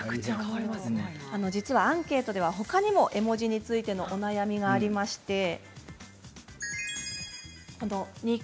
アンケートでほかにも絵文字についてお悩みがありました。